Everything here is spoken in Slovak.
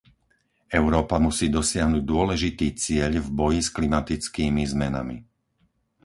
Európa musí dosiahnuť dôležitý cieľ v boji s klimatickými zmenami.